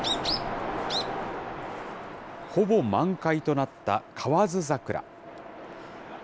ほぼ満開となった河津桜。